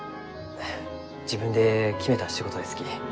自分で決めた仕事ですき。